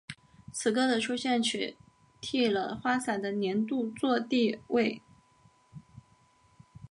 此歌的出现取替了花洒的年度作地位。